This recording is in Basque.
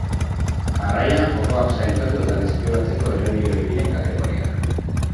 Jarraian, jokoak sailkatu eta deskribatzeko erabili ohi diren kategoriak.